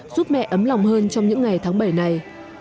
giúp mẹ ấm lòng hơn trong những ngày tháng bảy này